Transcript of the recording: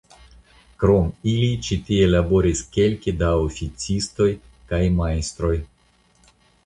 Krom ili ĉi tie laboris kelke da oficistoj kaj majstroj.